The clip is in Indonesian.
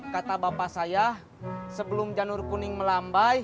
kata bapak saya sebelum janur kuning melambai